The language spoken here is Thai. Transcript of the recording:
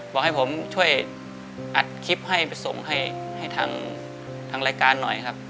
บอกให้ผมช่วยอัดคลิปให้ไปส่งให้ทางรายการหน่อยครับ